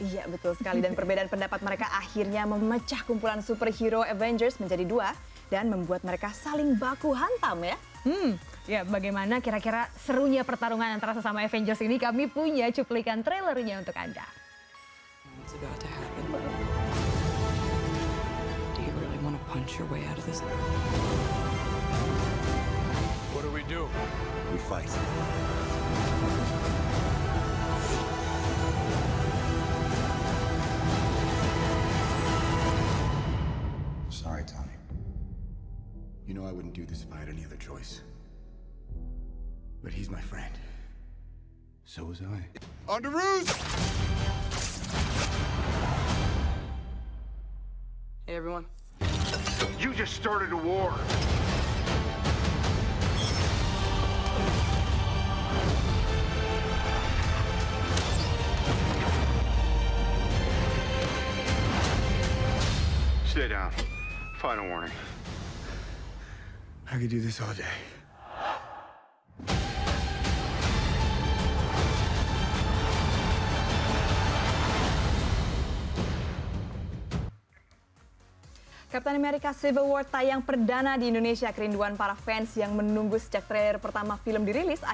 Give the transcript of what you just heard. iya betul sekali dan perbedaan pendapat mereka akhirnya memecah kumpulan superhero avengers menjadi dua dan membuat mereka saling baku hantam ya